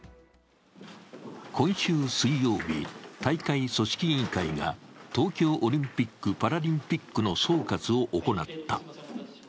今週水曜日、大会組織委員会が東京オリンピック・パラリンピックの総括を行った。